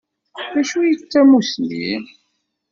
D acu i d tamusni?